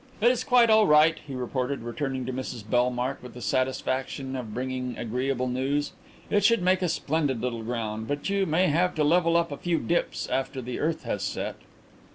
"It is quite all right," he reported, returning to Mrs Bellmark with the satisfaction of bringing agreeable news. "It should make a splendid little ground, but you may have to level up a few dips after the earth has set."